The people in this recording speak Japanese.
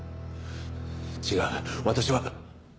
違う私は。